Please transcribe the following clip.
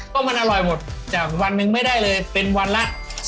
ก็มันอร่อยหมดจากวันหนึ่งไม่ได้เลยเป็นวันละ